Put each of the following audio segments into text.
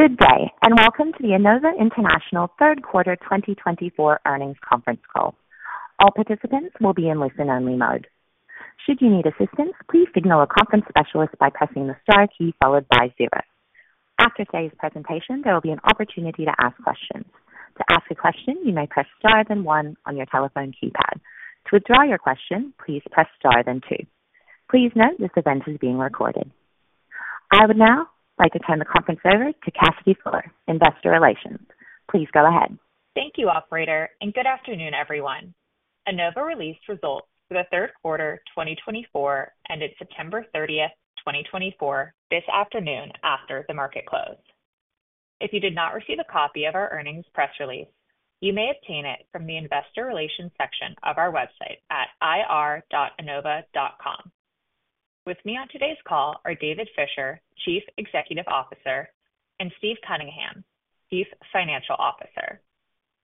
Good day, and welcome to the Enova International third quarter 2024 earnings conference call. All participants will be in listen-only mode. Should you need assistance, please signal a conference specialist by pressing the star key followed by zero. After today's presentation, there will be an opportunity to ask questions. To ask a question, you may press star, then one on your telephone keypad. To withdraw your question, please press star, then two. Please note, this event is being recorded. I would now like to turn the conference over to Cassidy Fuller, Investor Relations. Please go ahead. Thank you, operator, and good afternoon, everyone. Enova released results for the third quarter 2024, ended September 30th, 2024, this afternoon after the market closed. If you did not receive a copy of our earnings press release, you may obtain it from the Investor Relations section of our website at ir.enova.com. With me on today's call are David Fisher, Chief Executive Officer, and Steve Cunningham, Chief Financial Officer.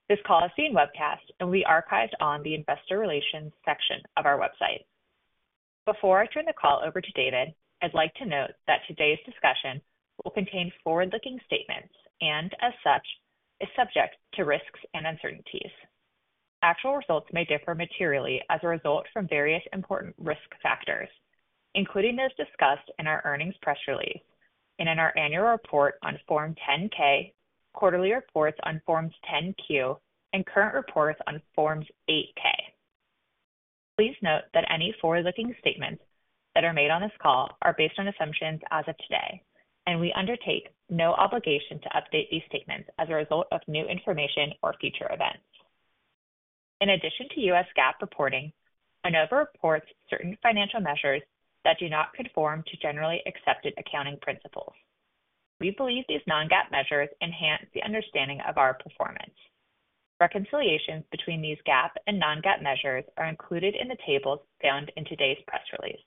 This call is being webcast and will be archived on the Investor Relations section of our website. Before I turn the call over to David, I'd like to note that today's discussion will contain forward-looking statements and, as such, is subject to risks and uncertainties. Actual results may differ materially as a result from various important risk factors, including as discussed in our earnings press release and in our annual report on Form 10-K, quarterly reports on Forms 10-Q, and current reports on Forms 8-K. Please note that any forward-looking statements that are made on this call are based on assumptions as of today, and we undertake no obligation to update these statements as a result of new information or future events. In addition to U.S. GAAP reporting, Enova reports certain financial measures that do not conform to generally accepted accounting principles. We believe these non-GAAP measures enhance the understanding of our performance. Reconciliations between these GAAP and non-GAAP measures are included in the tables found in today's press release.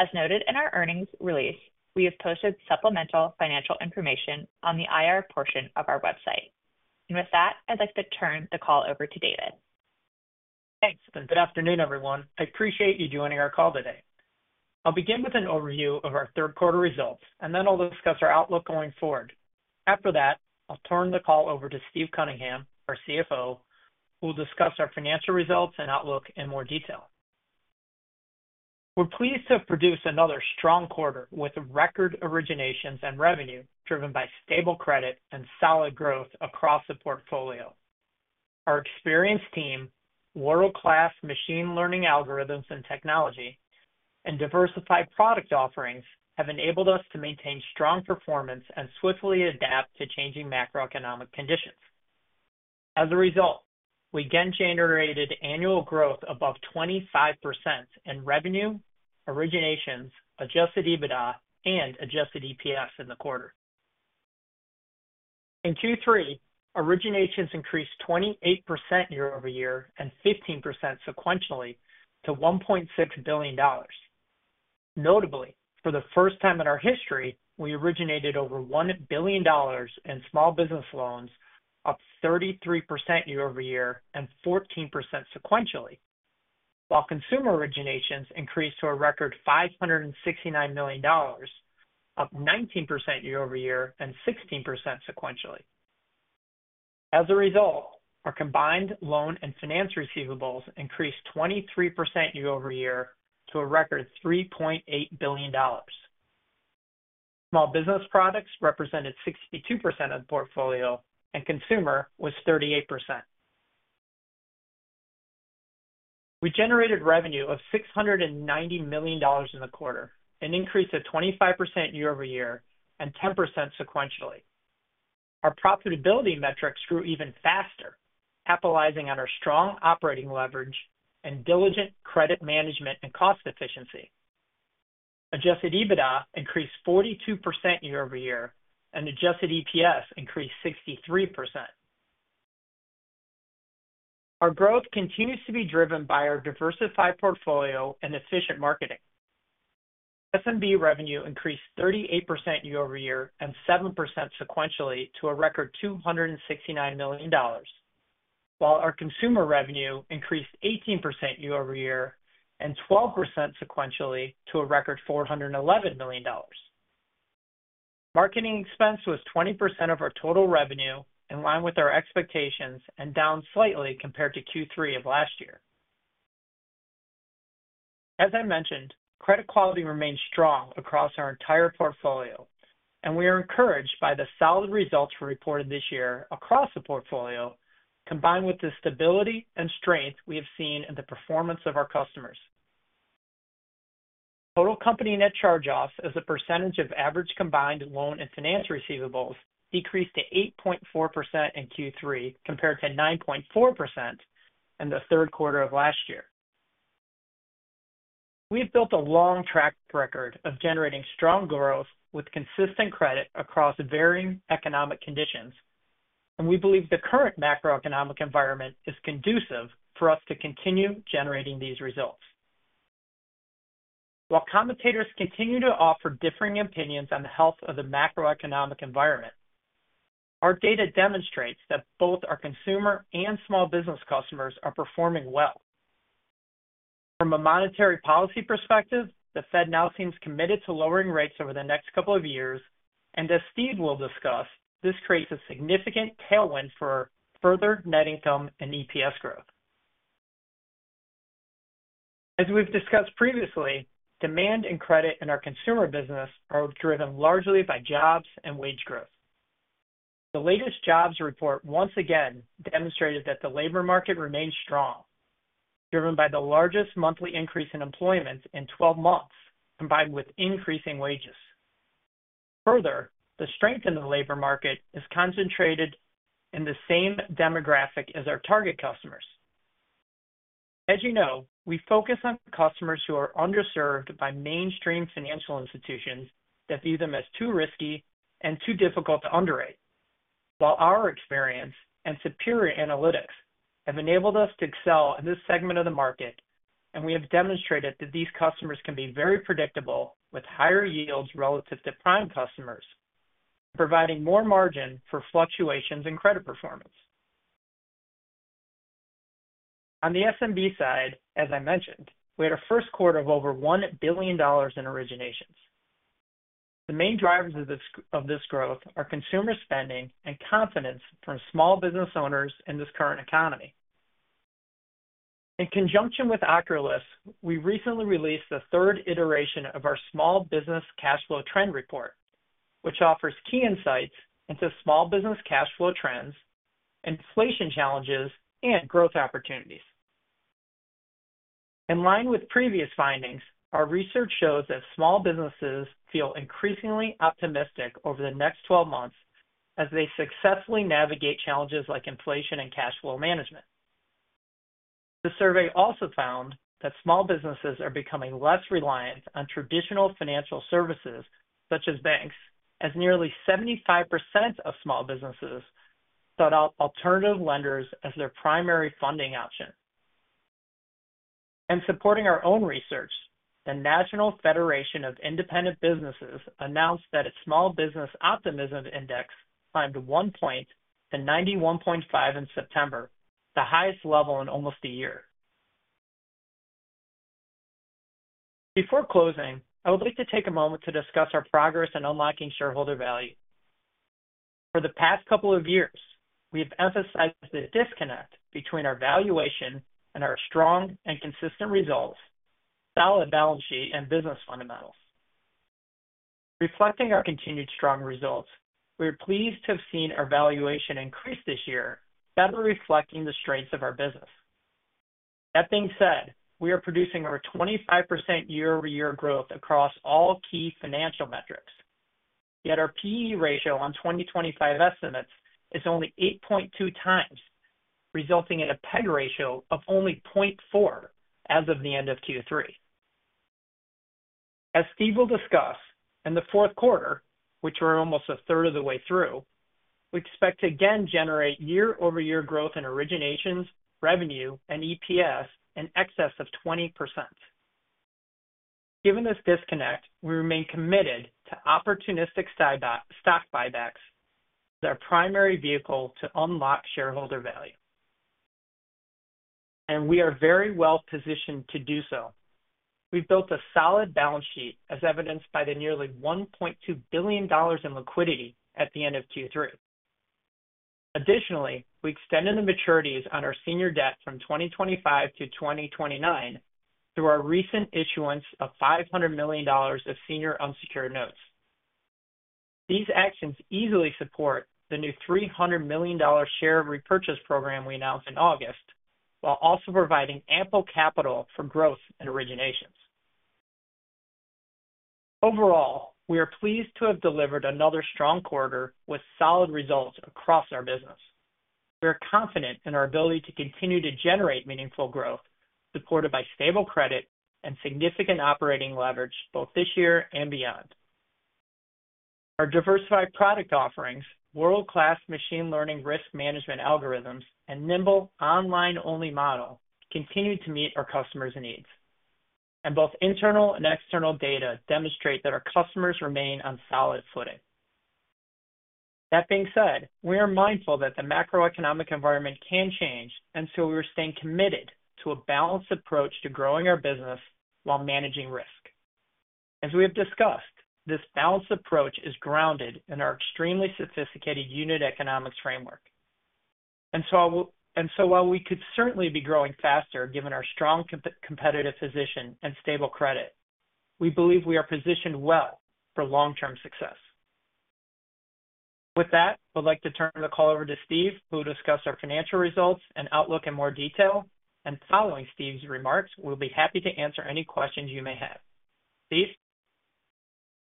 As noted in our earnings release, we have posted supplemental financial information on the IR portion of our website. With that, I'd like to turn the call over to David. Thanks, and good afternoon, everyone. I appreciate you joining our call today. I'll begin with an overview of our third quarter results, and then I'll discuss our outlook going forward. After that, I'll turn the call over to Steve Cunningham, our CFO, who will discuss our financial results and outlook in more detail. We're pleased to have produced another strong quarter with record originations and revenue, driven by stable credit and solid growth across the portfolio. Our experienced team, world-class machine learning algorithms and technology, and diversified product offerings have enabled us to maintain strong performance and swiftly adapt to changing macroeconomic conditions. As a result, we again generated annual growth above 25% in revenue, originations, adjusted EBITDA, and adjusted EPS in the quarter. In Q3, originations increased 28% year-over-year and 15% sequentially to $1.6 billion. Notably, for the first time in our history, we originated over $1 billion in small business loans, up 33% year-over-year and 14% sequentially, while consumer originations increased to a record $569 million, up 19% year-over-year and 16% sequentially. As a result, our combined loan and finance receivables increased 23% year-over-year to a record $3.8 billion. Small business products represented 62% of the portfolio, and consumer was 38%. We generated revenue of $690 million in the quarter, an increase of 25% year-over-year and 10% sequentially. Our profitability metrics grew even faster, capitalizing on our strong operating leverage and diligent credit management and cost efficiency. Adjusted EBITDA increased 42% year-over-year, and Adjusted EPS increased 63%. Our growth continues to be driven by our diversified portfolio and efficient marketing. SMB revenue increased 38% year-over-year and 7% sequentially to a record $269 million, while our consumer revenue increased 18% year-over-year and 12% sequentially to a record $411 million. Marketing expense was 20% of our total revenue, in line with our expectations and down slightly compared to Q3 of last year. As I mentioned, credit quality remains strong across our entire portfolio, and we are encouraged by the solid results we reported this year across the portfolio, combined with the stability and strength we have seen in the performance of our customers. Total company net charge-offs as a percentage of average combined loan and finance receivables decreased to 8.4% in Q3, compared to 9.4% in the third quarter of last year. We've built a long track record of generating strong growth with consistent credit across varying economic conditions, and we believe the current macroeconomic environment is conducive for us to continue generating these results. While commentators continue to offer differing opinions on the health of the macroeconomic environment, our data demonstrates that both our consumer and small business customers are performing well. From a monetary policy perspective, the Fed now seems committed to lowering rates over the next couple of years, and as Steve will discuss, this creates a significant tailwind for further net income and EPS growth. As we've discussed previously, demand and credit in our consumer business are driven largely by jobs and wage growth. The latest jobs report once again demonstrated that the labor market remains strong, driven by the largest monthly increase in employment in 12 months, combined with increasing wages. Further, the strength in the labor market is concentrated in the same demographic as our target customers. As you know, we focus on customers who are underserved by mainstream financial institutions that view them as too risky and too difficult to underwrite. While our experience and superior analytics have enabled us to excel in this segment of the market, and we have demonstrated that these customers can be very predictable, with higher yields relative to prime customers, providing more margin for fluctuations in credit performance. On the SMB side, as I mentioned, we had a first quarter of over $1 billion in originations. The main drivers of this growth are consumer spending and confidence from small business owners in this current economy. In conjunction with Ocrolus, we recently released the third iteration of our Small Business Cash Flow Trend Report, which offers key insights into small business cash flow trends, inflation challenges, and growth opportunities. In line with previous findings, our research shows that small businesses feel increasingly optimistic over the next 12 months as they successfully navigate challenges like inflation and cash flow management. The survey also found that small businesses are becoming less reliant on traditional financial services, such as banks, as nearly 75% of small businesses thought of alternative lenders as their primary funding option. Supporting our own research, the National Federation of Independent Business announced that its Small Business Optimism Index climbed one point to 91.5 in September, the highest level in almost a year. Before closing, I would like to take a moment to discuss our progress in unlocking shareholder value. For the past couple of years, we have emphasized the disconnect between our valuation and our strong and consistent results, solid balance sheet, and business fundamentals. Reflecting our continued strong results, we are pleased to have seen our valuation increase this year, better reflecting the strengths of our business. That being said, we are producing over 25% year-over-year growth across all key financial metrics. Yet our P/E ratio on 2025 estimates is only 8.2x, resulting in a PEG ratio of only 0.4 as of the end of Q3. As Steve will discuss, in the fourth quarter, which we're almost 1/3 of the way through, we expect to again generate year-over-year growth in originations, revenue, and EPS in excess of 20%. Given this disconnect, we remain committed to opportunistic buy-side stock buybacks as our primary vehicle to unlock shareholder value. And we are very well positioned to do so. We've built a solid balance sheet, as evidenced by the nearly $1.2 billion in liquidity at the end of Q3. Additionally, we extended the maturities on our senior debt from 2025 to 2029 through our recent issuance of $500 million of senior unsecured notes. These actions easily support the new $300 million share repurchase program we announced in August, while also providing ample capital for growth and originations. Overall, we are pleased to have delivered another strong quarter with solid results across our business. We are confident in our ability to continue to generate meaningful growth, supported by stable credit and significant operating leverage, both this year and beyond. Our diversified product offerings, world-class machine learning risk management algorithms, and nimble online-only model continue to meet our customers' needs. And both internal and external data demonstrate that our customers remain on solid footing. That being said, we are mindful that the macroeconomic environment can change, and so we're staying committed to a balanced approach to growing our business while managing risk. As we have discussed, this balanced approach is grounded in our extremely sophisticated unit economics framework. And so while we could certainly be growing faster, given our strong competitive position and stable credit, we believe we are positioned well for long-term success. With that, I'd like to turn the call over to Steve, who will discuss our financial results and outlook in more detail. And following Steve's remarks, we'll be happy to answer any questions you may have. Steve?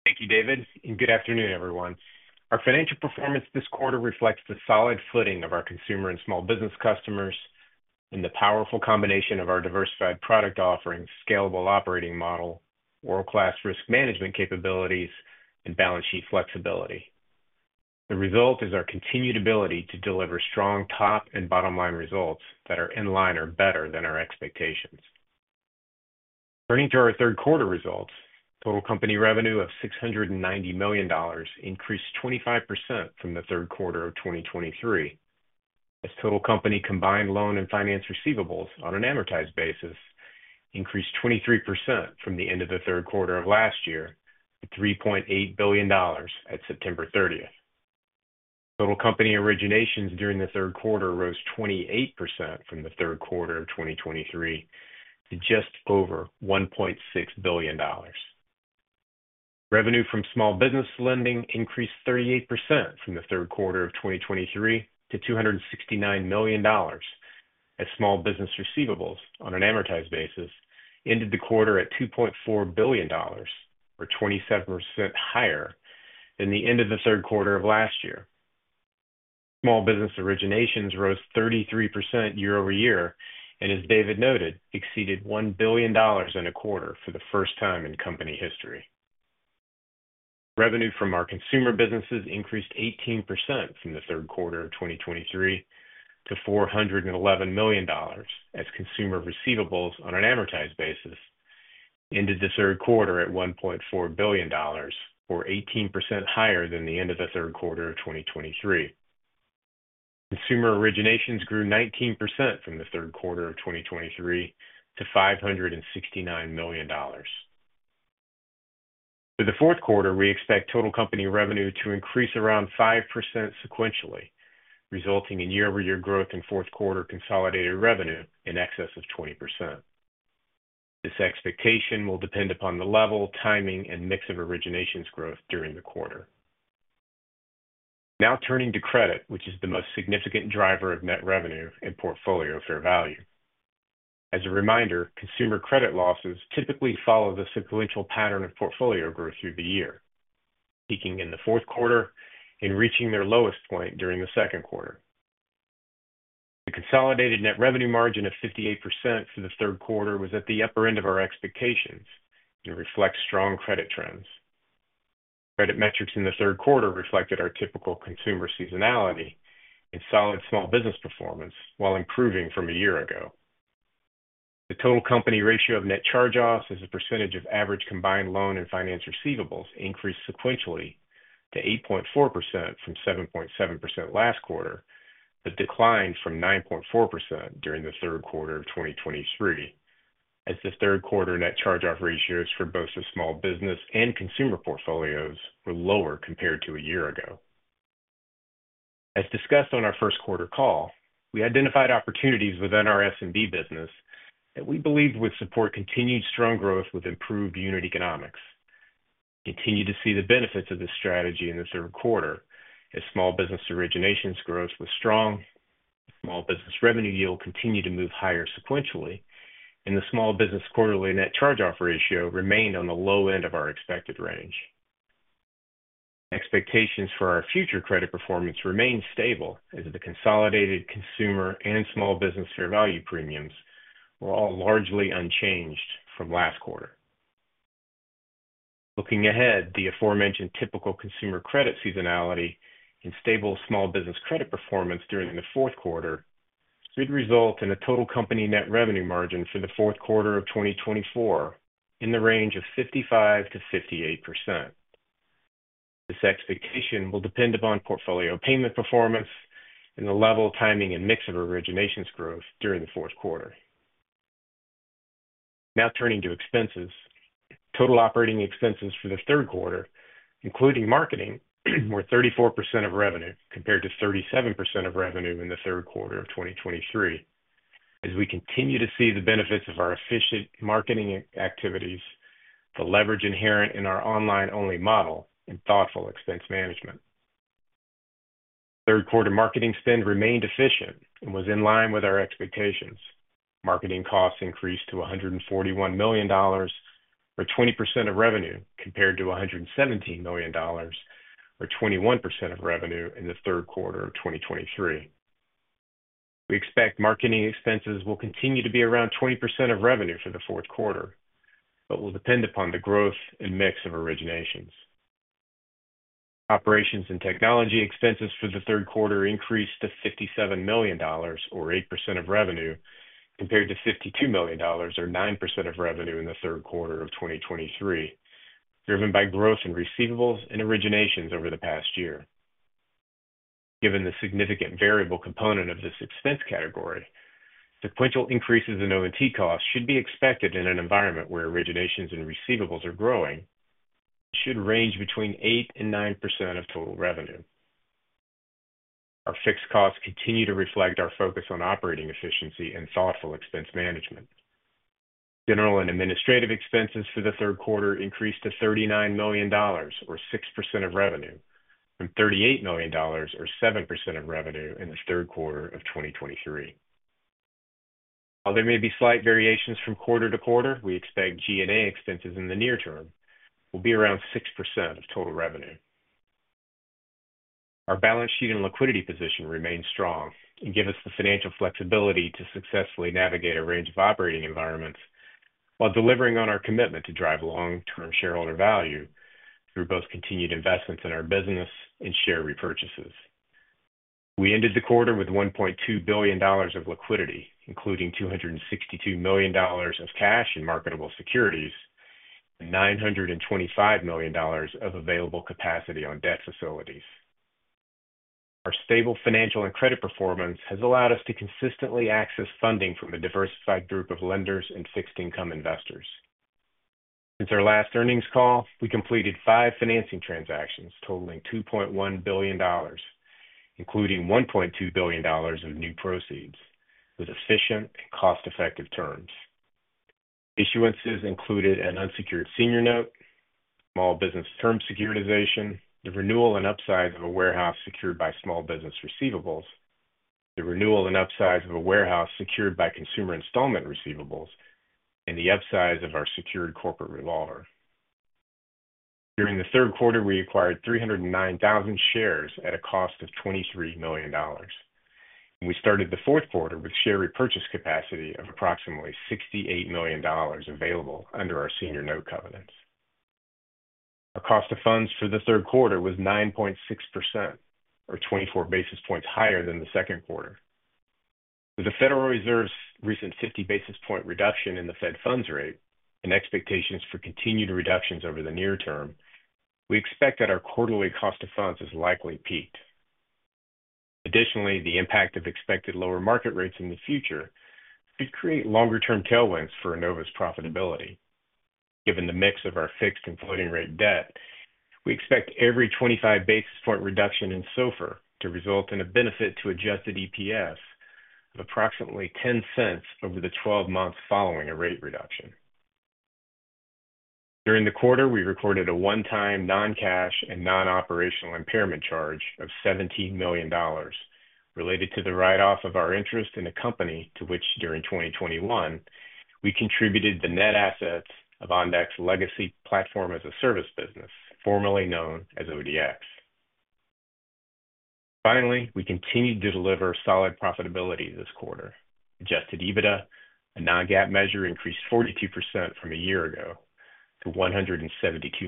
Thank you, David, and good afternoon, everyone. Our financial performance this quarter reflects the solid footing of our consumer and small business customers and the powerful combination of our diversified product offerings, scalable operating model, world-class risk management capabilities, and balance sheet flexibility. The result is our continued ability to deliver strong top and bottom line results that are in line or better than our expectations. Turning to our third quarter results, total company revenue of $690 million increased 25% from the third quarter of 2023. As total company combined loan and finance receivables on an amortized basis increased 23% from the end of the third quarter of last year to $3.8 billion at September 30th. Total company originations during the third quarter rose 28% from the third quarter of 2023 to just over $1.6 billion. Revenue from small business lending increased 38% from the third quarter of 2023 to $269 million, as small business receivables on an amortized basis ended the quarter at $2.4 billion, or 27% higher than the end of the third quarter of last year. Small business originations rose 33% year-over-year, and as David noted, exceeded $1 billion in a quarter for the first time in company history. Revenue from our consumer businesses increased 18% from the third quarter of 2023 to $411 million, as consumer receivables on an amortized basis ended the third quarter at $1.4 billion, or 18% higher than the end of the third quarter of 2023. Consumer originations grew 19% from the third quarter of 2023 to $569 million. For the fourth quarter, we expect total company revenue to increase around 5% sequentially, resulting in year-over-year growth in fourth quarter consolidated revenue in excess of 20%. This expectation will depend upon the level, timing, and mix of originations growth during the quarter. Now turning to credit, which is the most significant driver of net revenue and portfolio fair value. As a reminder, consumer credit losses typically follow the sequential pattern of portfolio growth through the year, peaking in the fourth quarter and reaching their lowest point during the second quarter. The consolidated net revenue margin of 58% for the third quarter was at the upper end of our expectations and reflects strong credit trends. Credit metrics in the third quarter reflected our typical consumer seasonality and solid small business performance, while improving from a year ago. The total company ratio of net charge-offs as a percentage of average combined loan and finance receivables increased sequentially to 8.4% from 7.7% last quarter, but declined from 9.4% during the third quarter of 2023, as the third quarter net charge-off ratios for both the small business and consumer portfolios were lower compared to a year ago. As discussed on our first quarter call, we identified opportunities within our SMB business that we believed would support continued strong growth with improved unit economics. Continue to see the benefits of this strategy in the third quarter as small business originations growth was strong, small business revenue yield continued to move higher sequentially, and the small business quarterly net charge-off ratio remained on the low end of our expected range. Expectations for our future credit performance remained stable, as the consolidated consumer and small business fair value premiums were all largely unchanged from last quarter. Looking ahead, the aforementioned typical consumer credit seasonality and stable small business credit performance during the fourth quarter should result in a total company net revenue margin for the fourth quarter of 2024 in the range of 55%-58%. This expectation will depend upon portfolio payment performance and the level, timing, and mix of originations growth during the fourth quarter. Now turning to expenses. Total operating expenses for the third quarter, including marketing, were 34% of revenue, compared to 37% of revenue in the third quarter of 2023, as we continue to see the benefits of our efficient marketing activities, the leverage inherent in our online-only model and thoughtful expense management. Third quarter marketing spend remained efficient and was in line with our expectations. Marketing costs increased to $141 million, or 20% of revenue, compared to $117 million, or 21% of revenue, in the third quarter of 2023. We expect marketing expenses will continue to be around 20% of revenue for the fourth quarter, but will depend upon the growth and mix of originations. Operations and technology expenses for the third quarter increased to $57 million, or 8% of revenue, compared to $52 million, or 9% of revenue, in the third quarter of 2023, driven by growth in receivables and originations over the past year. Given the significant variable component of this expense category, sequential increases in O&T costs should be expected in an environment where originations and receivables are growing, should range between 8% and 9% of total revenue. Our fixed costs continue to reflect our focus on operating efficiency and thoughtful expense management. General and administrative expenses for the third quarter increased to $39 million, or 6% of revenue, from $38 million, or 7% of revenue, in the third quarter of 2023. While there may be slight variations from quarter-to-quarter, we expect G&A expenses in the near term will be around 6% of total revenue. Our balance sheet and liquidity position remains strong and give us the financial flexibility to successfully navigate a range of operating environments while delivering on our commitment to drive long-term shareholder value through both continued investments in our business and share repurchases. We ended the quarter with $1.2 billion of liquidity, including $262 million of cash and marketable securities... and $925 million of available capacity on debt facilities. Our stable financial and credit performance has allowed us to consistently access funding from a diversified group of lenders and fixed income investors. Since our last earnings call, we completed five financing transactions totaling $2.1 billion, including $1.2 billion of new proceeds, with efficient and cost-effective terms. Issuances included an unsecured senior note, small business term securitization, the renewal and upsize of a warehouse secured by small business receivables, the renewal and upsize of a warehouse secured by consumer installment receivables, and the upsize of our secured corporate revolver. During the third quarter, we acquired 309,000 shares at a cost of $23 million. And we started the fourth quarter with share repurchase capacity of approximately $68 million available under our senior note covenants. Our cost of funds for the third quarter was 9.6%, or 24 basis points higher than the second quarter. With the Federal Reserve's recent 50 basis point reduction in the Fed Funds Rate and expectations for continued reductions over the near term, we expect that our quarterly cost of funds has likely peaked. Additionally, the impact of expected lower market rates in the future could create longer-term tailwinds for Enova's profitability. Given the mix of our fixed and floating-rate debt, we expect every 25 basis point reduction in SOFR to result in a benefit to adjusted EPS of approximately $0.10 over the 12 months following a rate reduction. During the quarter, we recorded a one-time non-cash and non-operational impairment charge of $17 million related to the write-off of our interest in a company to which, during 2021, we contributed the net assets of OnDeck's legacy platform as a service business, formerly known as ODX. Finally, we continued to deliver solid profitability this quarter. Adjusted EBITDA, a non-GAAP measure, increased 42% from a year ago to $172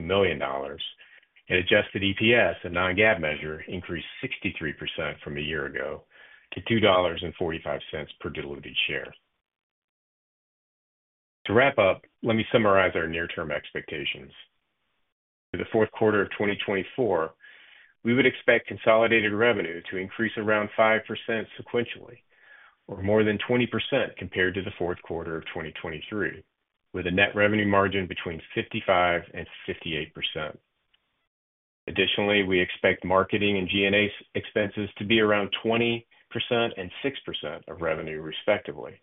million, and adjusted EPS, a non-GAAP measure, increased 63% from a year ago to $2.45 per diluted share. To wrap up, let me summarize our near-term expectations. For the fourth quarter of 2024, we would expect consolidated revenue to increase around 5% sequentially or more than 20% compared to the fourth quarter of 2023, with a net revenue margin between 55% and 58%. Additionally, we expect marketing and G&A expenses to be around 20% and 6% of revenue, respectively,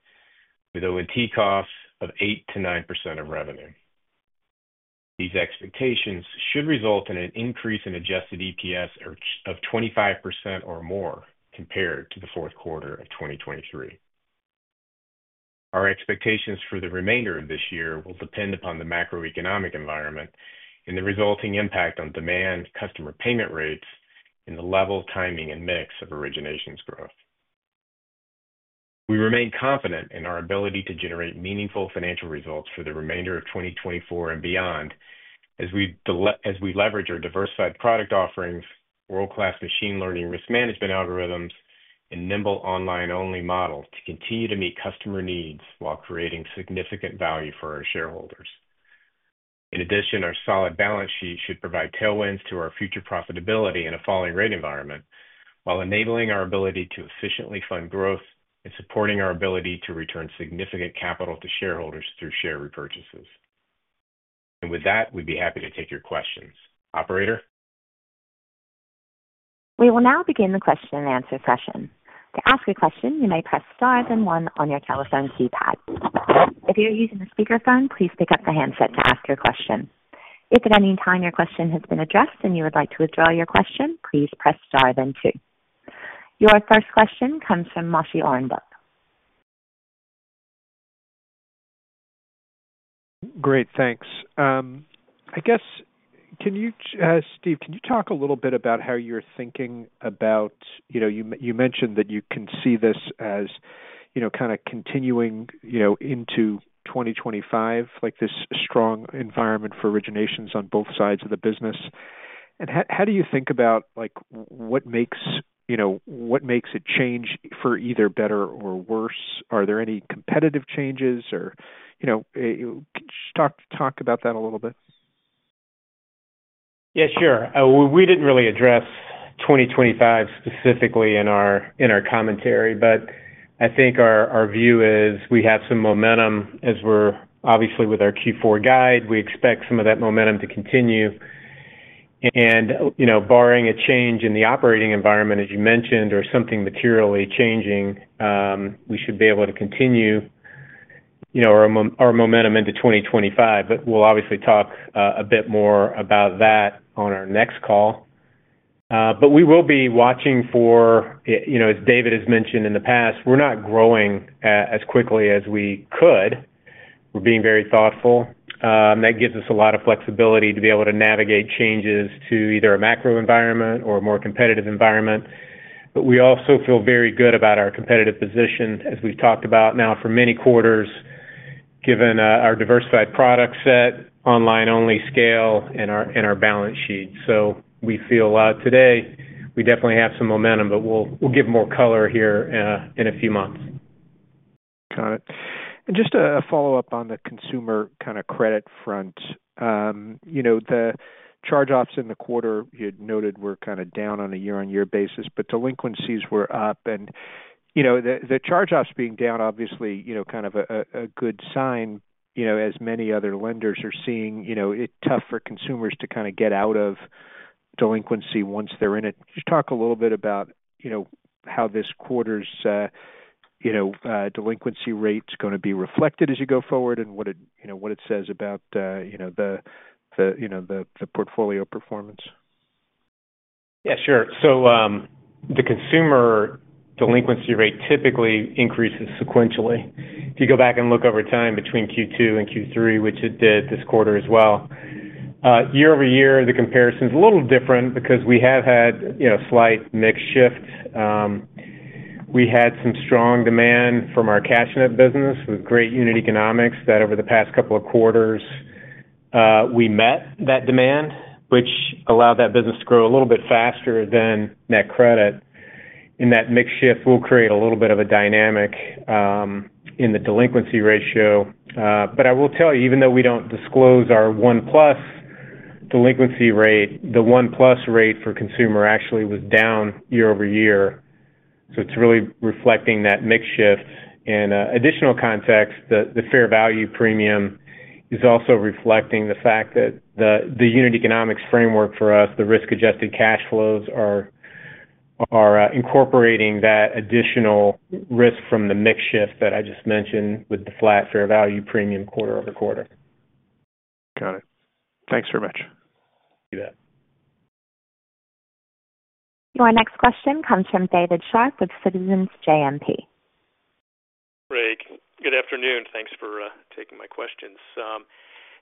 with O&T costs of 8%-9% of revenue. These expectations should result in an increase in adjusted EPS of 25% or more compared to the fourth quarter of 2023. Our expectations for the remainder of this year will depend upon the macroeconomic environment and the resulting impact on demand, customer payment rates, and the level, timing, and mix of originations growth. We remain confident in our ability to generate meaningful financial results for the remainder of 2024 and beyond as we leverage our diversified product offerings, world-class machine learning risk management algorithms, and nimble online-only model to continue to meet customer needs while creating significant value for our shareholders. In addition, our solid balance sheet should provide tailwinds to our future profitability in a falling rate environment, while enabling our ability to efficiently fund growth and supporting our ability to return significant capital to shareholders through share repurchases. And with that, we'd be happy to take your questions. Operator? We will now begin the question-and-answer session. To ask a question, you may press star then one on your telephone keypad. If you're using a speakerphone, please pick up the handset to ask your question. If at any time your question has been addressed and you would like to withdraw your question, please press star then two. Your first question comes from Moshe Orenbuch. Great, thanks. I guess, can you, Steve, can you talk a little bit about how you're thinking about... You know, you mentioned that you can see this as, you know, kind of continuing, you know, into 2025, like, this strong environment for originations on both sides of the business. And how do you think about, like, what makes, you know, what makes it change for either better or worse? Are there any competitive changes or, you know, just talk about that a little bit. Yeah, sure. We didn't really address 2025 specifically in our commentary, but I think our view is we have some momentum as we're obviously, with our Q4 guide, we expect some of that momentum to continue. And, you know, barring a change in the operating environment, as you mentioned, or something materially changing, we should be able to continue, you know, our momentum into 2025. But we'll obviously talk a bit more about that on our next call. But we will be watching for, you know, as David has mentioned in the past, we're not growing as quickly as we could. We're being very thoughtful, that gives us a lot of flexibility to be able to navigate changes to either a macro environment or a more competitive environment. But we also feel very good about our competitive position, as we've talked about now for many quarters, given our diversified product set, online-only scale, and our balance sheet. So we feel today, we definitely have some momentum, but we'll give more color here in a few months. Got it. And just a follow-up on the consumer kind of credit front. You know, the charge-offs in the quarter you had noted were kind of down on a year-on-year basis, but delinquencies were up. And, you know, the charge-offs being down, obviously, you know, kind of a good sign, you know, as many other lenders are seeing. You know, it's tough for consumers to kind of get out of delinquency once they're in it. Just talk a little bit about, you know, how this quarter's, you know, delinquency rate's gonna be reflected as you go forward and what it, you know, what it says about, you know, the, you know, the portfolio performance. Yeah, sure, so the consumer delinquency rate typically increases sequentially. If you go back and look over time between Q2 and Q3, which it did this quarter as well. Year-over-year, the comparison is a little different because we have had, you know, slight mix shift. We had some strong demand from our CashNet business with great unit economics, that over the past couple of quarters, we met that demand, which allowed that business to grow a little bit faster than NetCredit, and that mix shift will create a little bit of a dynamic in the delinquency ratio. But I will tell you, even though we don't disclose our one plus delinquency rate, the one plus rate for consumer actually was down year-over-year, so it's really reflecting that mix shift. Additional context, the fair value premium is also reflecting the fact that the unit economics framework for us, the risk-adjusted cash flows are incorporating that additional risk from the mix shift that I just mentioned with the flat fair value premium quarter-over-quarter. Got it. Thanks very much. You bet. Your next question comes from David Scharf of Citizens JMP. Great. Good afternoon. Thanks for taking my questions.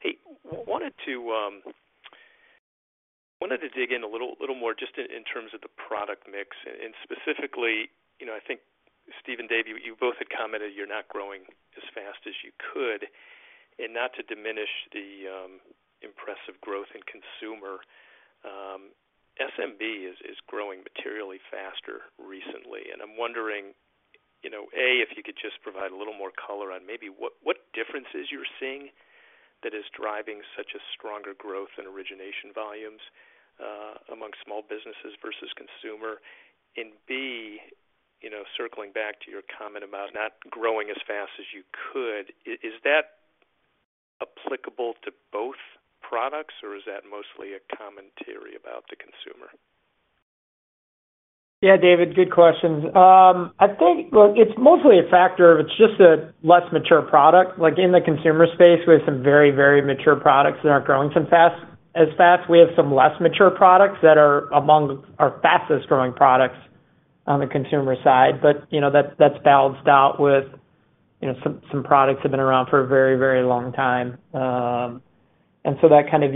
Hey, wanted to dig in a little more just in terms of the product mix. Specifically, you know, I think, Steve and Dave, you both had commented you're not growing as fast as you could. Not to diminish the impressive growth in consumer, SMB is growing materially faster recently. I'm wondering, you know, A, if you could just provide a little more color on maybe what differences you're seeing that is driving such a stronger growth in origination volumes among small businesses versus consumer. B, you know, circling back to your comment about not growing as fast as you could, is that applicable to both products, or is that mostly a commentary about the consumer? Yeah, David, good questions. I think, look, it's mostly a factor of it's just a less mature product. Like, in the consumer space, we have some very, very mature products that aren't growing so fast. We have some less mature products that are among our fastest-growing products on the consumer side. But, you know, that's balanced out with, you know, some products have been around for a very, very long time. And so that kind of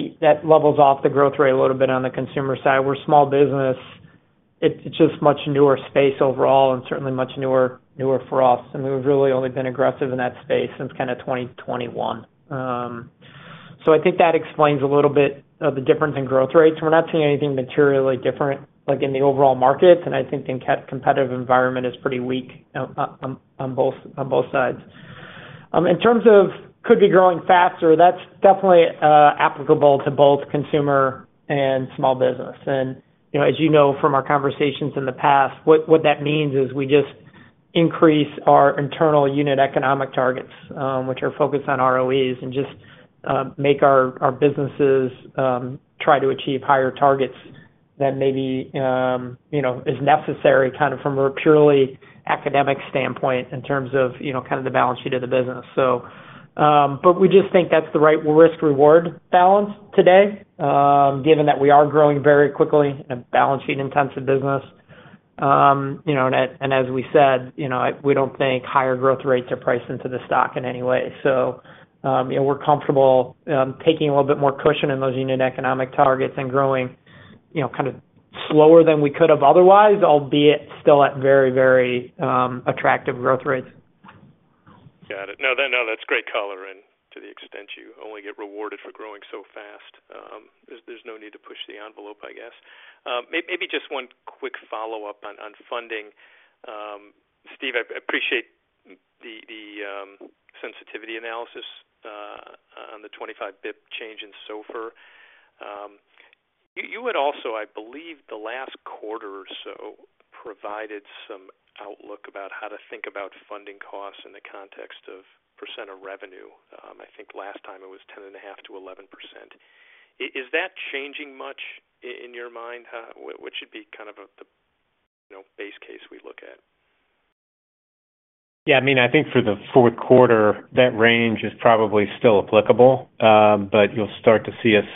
levels off the growth rate a little bit on the consumer side. Where small business, it's just much newer space overall and certainly much newer for us, and we've really only been aggressive in that space since kind of 2021. So I think that explains a little bit of the difference in growth rates. We're not seeing anything materially different, like in the overall markets, and I think the competitive environment is pretty weak on both sides. In terms of could be growing faster, that's definitely applicable to both consumer and small business, and you know, as you know from our conversations in the past, what that means is we just increase our internal unit economic targets, which are focused on ROEs, and just make our businesses try to achieve higher targets than maybe you know is necessary, kind of, from a purely academic standpoint in terms of you know kind of the balance sheet of the business, so but we just think that's the right risk-reward balance today, given that we are growing very quickly in a balance sheet-intensive business. You know, and as we said, you know, we don't think higher growth rates are priced into the stock in any way. So, you know, we're comfortable taking a little bit more cushion in those unit economic targets and growing, you know, kind of slower than we could have otherwise, albeit still at very, very attractive growth rates. Got it. No, that's great color, and to the extent you only get rewarded for growing so fast, there's no need to push the envelope, I guess. Maybe just one quick follow-up on funding. Steve, I appreciate the sensitivity analysis on the 25 basis point change in SOFR. You had also, I believe, the last quarter or so, provided some outlook about how to think about funding costs in the context of percent of revenue. I think last time it was 10.5%-11%. Is that changing much in your mind? What should be, you know, the base case we look at? Yeah, I mean, I think for the fourth quarter, that range is probably still applicable, but you'll start to see us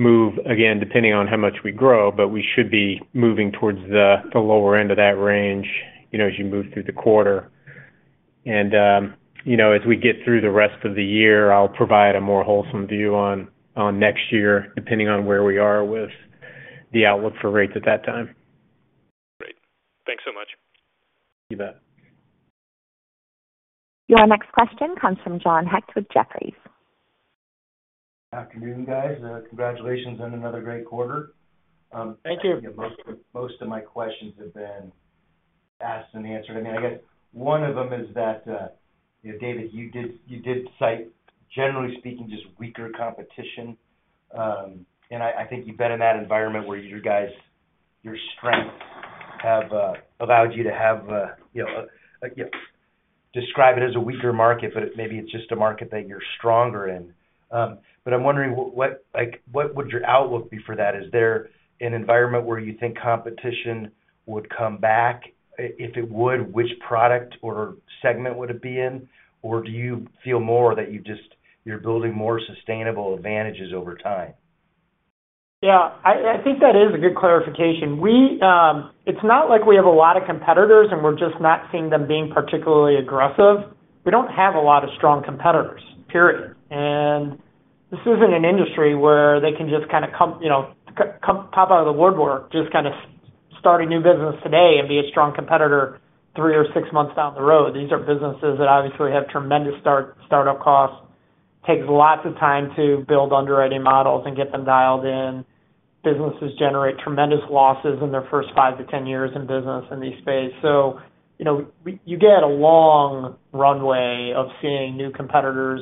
move again, depending on how much we grow, but we should be moving towards the lower end of that range, you know, as you move through the quarter, and you know, as we get through the rest of the year, I'll provide a more wholesome view on next year, depending on where we are with the outlook for rates at that time. Great. Thanks so much. You bet. Your next question comes from John Hecht with Jefferies.... Afternoon, guys. Congratulations on another great quarter. Thank you. Most of my questions have been asked and answered. I mean, I guess one of them is that, you know, David, you did cite, generally speaking, just weaker competition. And I think you've been in that environment where you guys, your strength have, allowed you to have, you know, like, describe it as a weaker market, but maybe it's just a market that you're stronger in. But I'm wondering what, like, what would your outlook be for that? Is there an environment where you think competition would come back? If it would, which product or segment would it be in? Or do you feel more that you just, you're building more sustainable advantages over time? Yeah, I, I think that is a good clarification. We, it's not like we have a lot of competitors, and we're just not seeing them being particularly aggressive. We don't have a lot of strong competitors, period. And this isn't an industry where they can just kind of come, you know, come pop out of the woodwork, just kind of start a new business today and be a strong competitor three or six months down the road. These are businesses that obviously have tremendous startup costs. Takes lots of time to build underwriting models and get them dialed in. Businesses generate tremendous losses in their first five to 10 years in business in this space. You know, you get a long runway of seeing new competitors,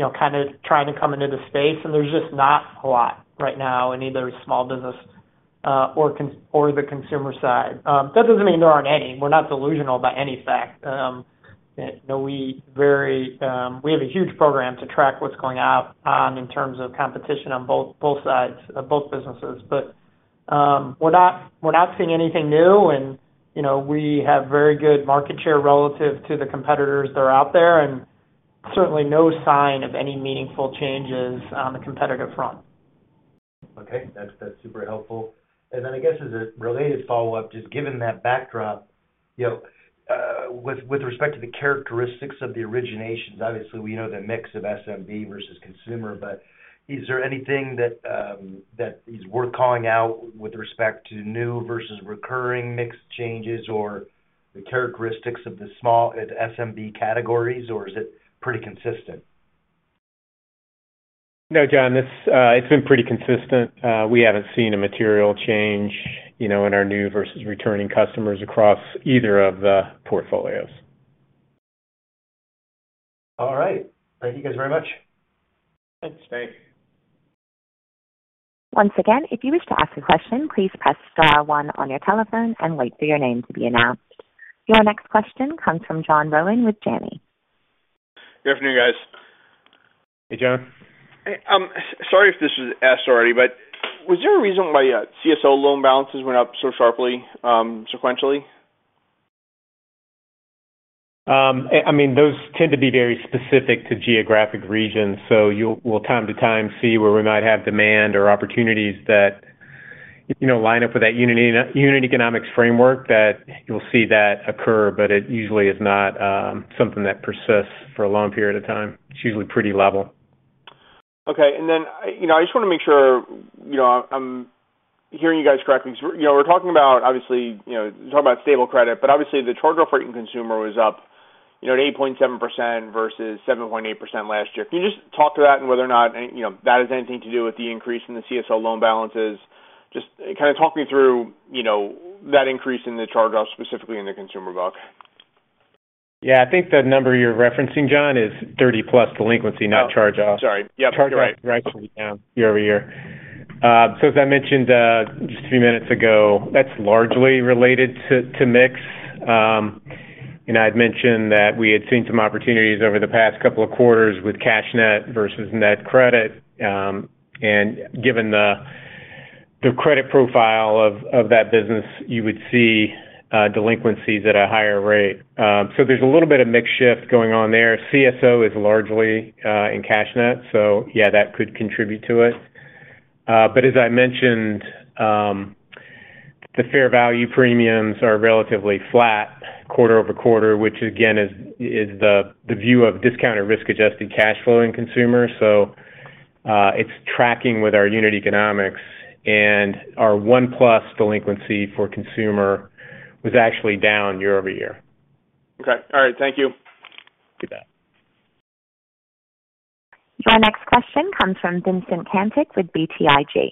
you know, kind of trying to come into the space, and there's just not a lot right now in either small business or the consumer side. That doesn't mean there aren't any. We're not delusional by any fact. You know, we have a huge program to track what's going out in terms of competition on both sides of both businesses. But we're not seeing anything new and, you know, we have very good market share relative to the competitors that are out there, and certainly no sign of any meaningful changes on the competitive front. Okay. That's super helpful. And then I guess, as a related follow-up, just given that backdrop, you know, with respect to the characteristics of the originations, obviously, we know the mix of SMB versus consumer, but is there anything that is worth calling out with respect to new versus recurring mix changes or the characteristics of the small SMB categories, or is it pretty consistent? No, John, this, it's been pretty consistent. We haven't seen a material change, you know, in our new versus returning customers across either of the portfolios. All right. Thank you guys very much. Thanks. Thanks. Once again, if you wish to ask a question, please press star one on your telephone and wait for your name to be announced. Your next question comes from John Rowan with Janney. Good afternoon, guys. Hey, John. Hey, sorry if this was asked already, but was there a reason why CSO loan balances went up so sharply sequentially? I mean, those tend to be very specific to geographic regions, so we'll from time to time see where we might have demand or opportunities that, you know, line up with that unit economics framework, that you'll see that occur, but it usually is not something that persists for a long period of time. It's usually pretty level. Okay. And then, you know, I just want to make sure, you know, I'm hearing you guys correctly, because, you know, we're talking about obviously, you know, talking about stable credit, but obviously, the charge-off rate in consumer was up, you know, at 8.7% versus 7.8% last year. Can you just talk to that and whether or not, you know, that has anything to do with the increase in the CSO loan balances? Just kind of talk me through, you know, that increase in the charge-offs, specifically in the consumer book. Yeah, I think the number you're referencing, John, is 30 plus delinquency, not charge-off. Oh, sorry. Yep, you're right. Charge-off is actually down year-over-year. So as I mentioned just a few minutes ago, that's largely related to mix. And I'd mentioned that we had seen some opportunities over the past couple of quarters with CashNet versus NetCredit. And given the credit profile of that business, you would see delinquencies at a higher rate. So there's a little bit of mix shift going on there. CSO is largely in CashNet, so yeah, that could contribute to it. But as I mentioned, the fair value premiums are relatively flat quarter-over-quarter, which again is the view of discounted risk-adjusted cash flow in consumers. So it's tracking with our unit economics, and our one-plus delinquency for consumer was actually down year-over-year. Okay. All right. Thank you. You bet. Your next question comes from Vincent Caintic with BTIG.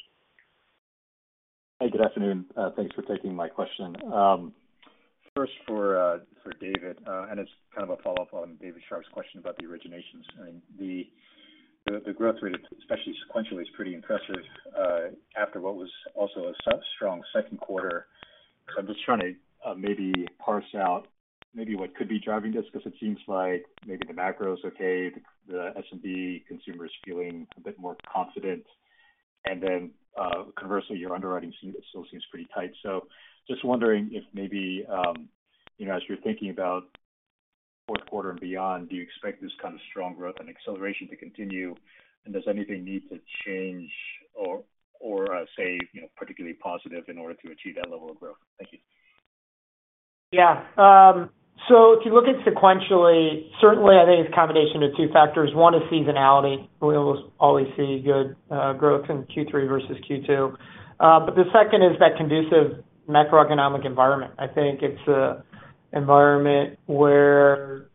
Hey, good afternoon. Thanks for taking my question. First for David, and it's kind of a follow-up on David Scharf's question about the originations. I mean, the growth rate, especially sequentially, is pretty impressive, after what was also a strong second quarter. I'm just trying to maybe parse out what could be driving this, because it seems like the macro is okay, the SMB consumer is feeling a bit more confident, and then, conversely, your underwriting still seems pretty tight. So just wondering if, you know, as you're thinking about fourth quarter and beyond, do you expect this kind of strong growth and acceleration to continue? And does anything need to change or say, you know, particularly positive in order to achieve that level of growth? Thank you. Yeah, so if you look at sequentially, certainly I think it's a combination of two factors. One is seasonality. We will always see good growth in Q3 versus Q2. But the second is that conducive macroeconomic environment. I think it's a environment where,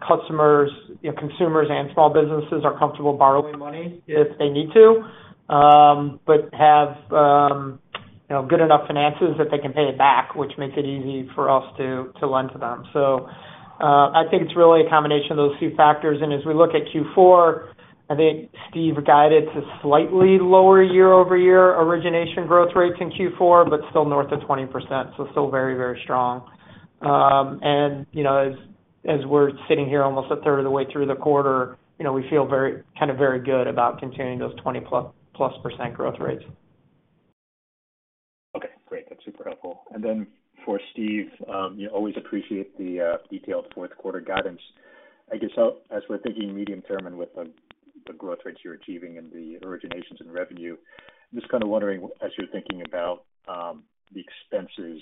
customers, you know, consumers and small businesses are comfortable borrowing money if they need to, but have, you know, good enough finances that they can pay it back, which makes it easy for us to lend to them. So, I think it's really a combination of those two factors. And as we look at Q4, I think Steve guided to slightly lower year-over-year origination growth rates in Q4, but still north of 20%, so still very, very strong. You know, as we're sitting here almost 1/3 of the way through the quarter, you know, we feel very, kind of, very good about continuing those 20%+ growth rates. Okay, great. That's super helpful. And then for Steve, you always appreciate the detailed fourth quarter guidance. I guess, so as we're thinking medium term and with the growth rates you're achieving and the originations in revenue, I'm just kind of wondering, as you're thinking about the expenses,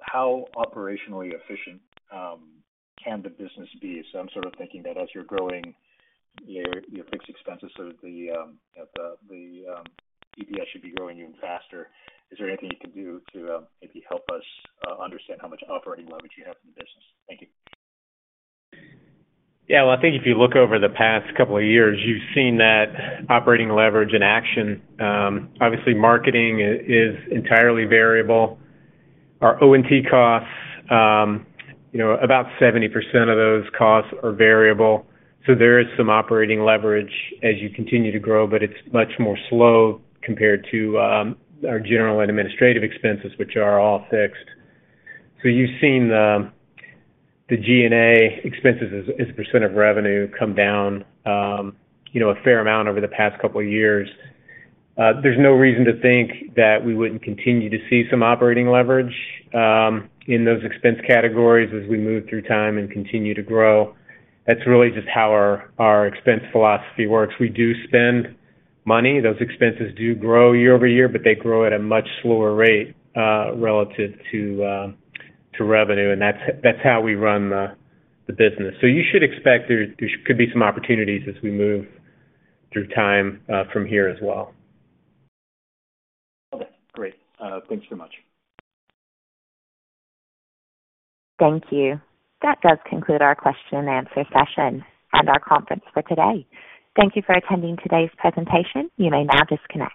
how operationally efficient can the business be? So I'm sort of thinking that as you're growing your fixed expenses, so the EPS should be growing even faster. Is there anything you can do to maybe help us understand how much operating leverage you have in the business? Thank you. Yeah. Well, I think if you look over the past couple of years, you've seen that operating leverage in action. Obviously, marketing is entirely variable. Our O&T costs, you know, about 70% of those costs are variable, so there is some operating leverage as you continue to grow, but it's much more slow compared to our general and administrative expenses, which are all fixed. So you've seen the G&A expenses as a percent of revenue come down, you know, a fair amount over the past couple of years. There's no reason to think that we wouldn't continue to see some operating leverage in those expense categories as we move through time and continue to grow. That's really just how our expense philosophy works. We do spend money. Those expenses do grow year-over-year, but they grow at a much slower rate, relative to revenue, and that's how we run the business. So you should expect there could be some opportunities as we move through time from here as well. Okay, great. Thanks so much. Thank you. That does conclude our question and answer session and our conference for today. Thank you for attending today's presentation. You may now disconnect.